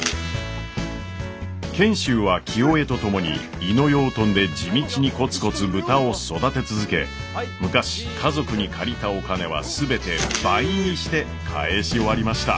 賢秀は清恵と共に猪野養豚で地道にコツコツ豚を育て続け昔家族に借りたお金は全て倍にして返し終わりました。